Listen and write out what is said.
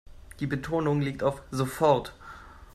Die Betonung liegt auf sofort.